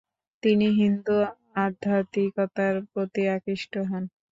তিনি হিন্দু আধ্যাত্মিকতার প্রতি আকৃষ্ট হন।